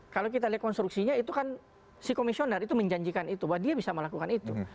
kalau kita lihat konstruksinya itu kan si komisioner itu menjanjikan itu bahwa dia bisa melakukan itu